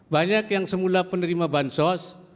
banyak yang semula penerima bansos